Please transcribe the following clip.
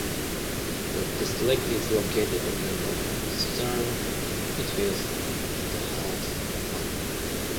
The district is located in the southern foothills of the Harz mountains.